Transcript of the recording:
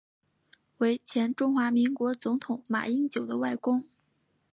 为前中华民国总统马英九的外公。